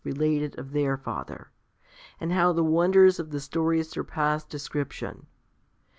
related of their father, and how the wonders of the story surpassed description.